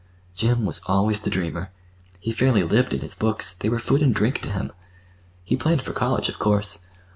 "Jim was always the dreamer. He fairly lived in his books. They were food and drink to him. He planned for college, of course.